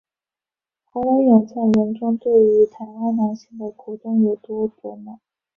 侯文咏在文中对于台湾男性的苦衷有多琢磨。